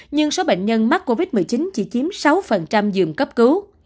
nhưng số bệnh nhân mắc covid một mươi chín chỉ chiếm sáu giường cấp cứu